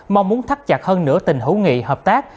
mong muốn thắt chặt hơn nữa tình hữu nghị hợp tác